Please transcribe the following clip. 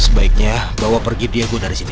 sebaiknya bawa pergi diego dari sini